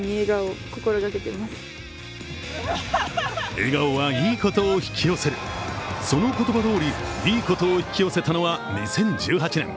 笑顔はいいことを引き寄せる、その言葉どおり、いいことを引き寄せたのは２０１８年。